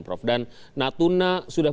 prof dan natuna sudah